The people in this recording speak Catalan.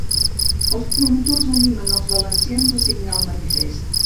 Els promotors animen els valencians a signar el manifest.